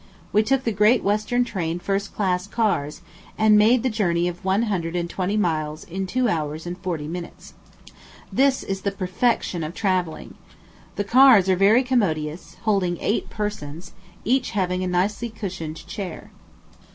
We took the Great Western train first class ears, and made the journey of one hundred and twenty miles in two hours and forty minutes. This is the perfection of travelling. The cars are very commodious, holding eight persons, each having a nicely cushioned chair.